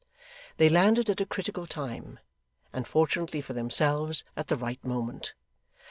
They landed at a critical time, and fortunately for themselves at the right moment.